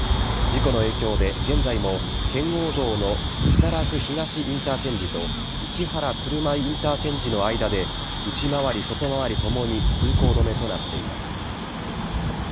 事故の影響で、現在も圏央道の木更津東インターチェンジと市原鶴舞インターチェンジの間で内回り外回りともに通行止めとなっています。